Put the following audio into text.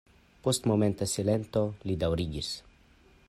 Post momenta silento li daŭrigis.